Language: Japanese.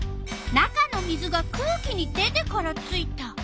「中の水が空気に出てからついた」。